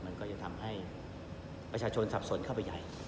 มันก็จะทำให้ประชาชนสับสนเข้าไปใหญ่